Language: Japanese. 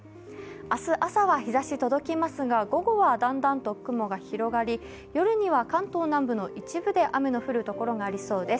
明日朝は日ざし届きますが午後はだんだんと雲が広がり、夜には関東南部の一部で雨の降るところがありそうです。